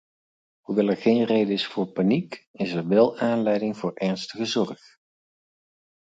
Hoewel er geen reden is voor paniek, is er wel aanleiding voor ernstige zorg.